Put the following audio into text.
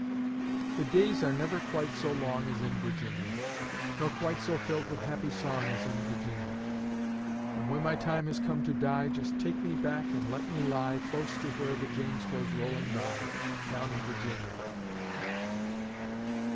The days are never quite so long As in Virginia; Nor quite so filled with happy song As in Virginia; And when my time has come to die Just take me back and let me lie Close where the James goes rolling by, Down in Virginia.